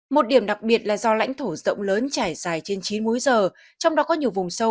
một điểm đặc biệt là do lãnh thổ rộng lớn trải dài trên chín núi giờ trong đó có nhiều vùng sâu